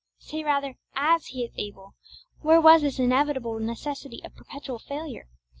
say, rather, as He is able, where was this inevitable necessity of perpetual failure?